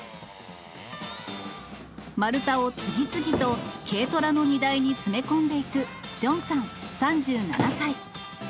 丸太を次々と軽トラの荷台に詰め込んでいくジョンさん３７歳。